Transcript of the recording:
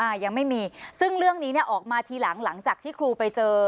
ยังไม่มีซึ่งเรื่องนี้เนี่ยออกมาทีหลังหลังจากที่ครูไปเจอ